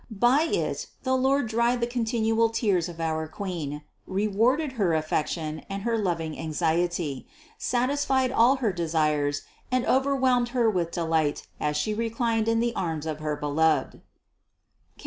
By it the Lord dried the continual tears of our Queen, rewarded her affection and her loving anxiety, satisfied all her desires and overwhelmed Her with delight as She reclined in the arms of her Beloved (Cant.